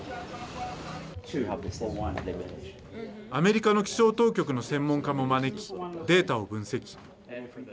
アメリカの気象当局の専門家も招き、データを分析。